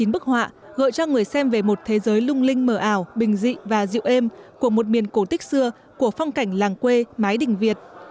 hai mươi chín bức họa gợi cho người xem về một thế giới lung linh mở ảo bình dị và dịu êm của một miền cổ tích xưa của phong cảnh làng quê mái đỉnh việt